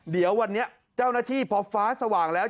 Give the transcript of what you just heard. เดี๋ยววันนี้เจ้าหน้าที่พอฟ้าสว่างแล้ว